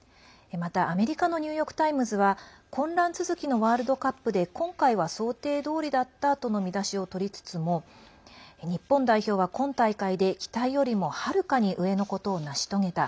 また、アメリカのニューヨーク・タイムズは混乱続きのワールドカップで今回は想定どおりだったとの見出しをとりつつも日本代表は今大会で期待よりもはるかに上のことを成し遂げた。